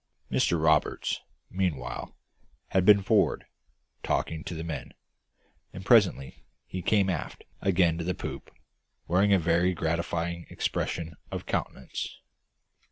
Mr Roberts, meanwhile, had been forward, talking to the men; and presently he came aft again to the poop, wearing a very gratified expression of countenance.